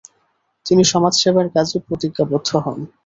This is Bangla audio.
তিনি সমাজসেবার কাজে প্রতিজ্ঞাবদ্ধ হন।